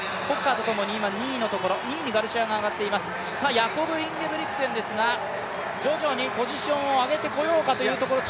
ヤコブ・インゲブリクセンですが徐々にポジションを上げてこようかというところ。